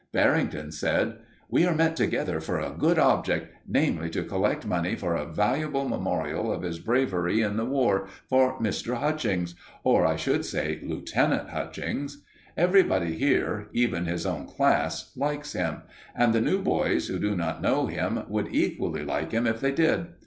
Barrington said: "We are met together for a good object, namely, to collect money for a valuable memorial of his bravery in the War for Mr. Hutchings, or I should say Lieutenant Hutchings. Everybody here even his own class likes him; and the new boys, who do not know him, would equally like him if they did.